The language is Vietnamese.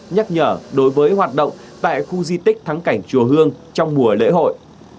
nhắc nhở đối với hoạt động tại khu di tích thắng cảnh chùa hương trong mùa lễ hội